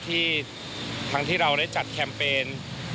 ที่ทั้งที่เราได้จัดแคมเปญ